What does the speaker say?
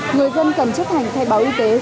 người dân cần chấp hành thay báo y tế